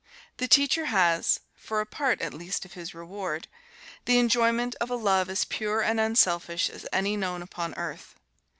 The teacher has, for a part at least of his reward, the enjoyment of a love as pure and unselfish as any known upon earth.